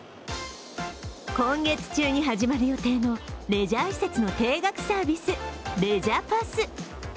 今月中に始まる予定のレジャー施設の定額サービス、レジャパス！。